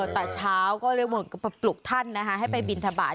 แต่เช้าก็เรียกว่าปลุกท่านนะคะให้ไปบินทบาท